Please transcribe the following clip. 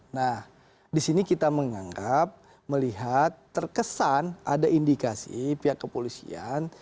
nah disini kita yang ngangkat melihat terkesan ada indikasi si pihak kepolisian